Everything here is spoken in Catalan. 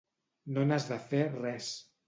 No n'has de fer res.